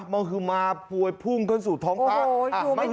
มหืมาปลวยพุ่งกันสู่ท้องป้า